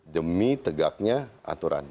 demi tegaknya aturan